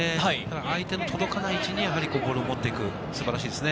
相手の届かない位置にボールを持っていく、素晴らしいですね。